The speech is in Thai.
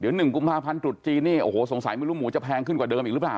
๑กุมภาพันธ์ตรุษจีนนี่โอ้โหสงสัยไม่รู้หมูจะแพงขึ้นกว่าเดิมอีกหรือเปล่า